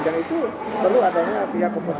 dan itu perlu adanya pihak oposisi